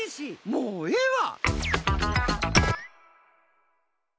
もうええわ！